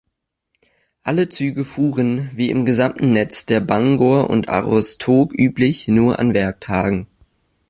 Alle Züge fuhren, wie im gesamten Netz der Bangor&Aroostook üblich, nur an Werktagen.